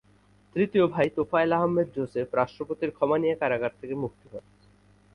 তৃতীয় ভাই তোফায়েল আহমেদ জোসেফ রাষ্ট্রপতির ক্ষমা নিয়ে কারাগার থেকে মুক্ত হন।